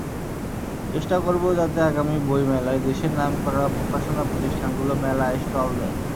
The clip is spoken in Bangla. চেষ্টা করব, যাতে আগামী বইমেলায় দেশের নামকরা প্রকাশনা প্রতিষ্ঠানগুলো মেলায় স্টল দেয়।